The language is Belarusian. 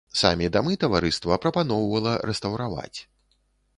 Самі дамы таварыства прапаноўвала рэстаўраваць.